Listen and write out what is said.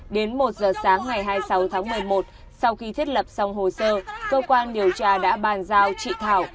đến một giờ sáng ngày hai mươi sáu tháng một mươi một sau khi thiết lập xong hồ sơ cơ quan điều tra đã bàn giao chị thảo